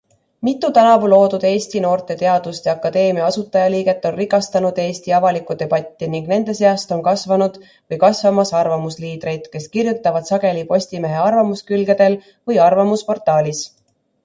Mitu tänavu loodud Eesti Noorte Teaduste Akadeemia asutajaliiget on rikastanud Eesti avalikku debatti ning nende seast on kasvanud või kasvamas arvamusliidreid, kes kirjutavad sageli Postimehe arvamuskülgedel või arvamusportaalis.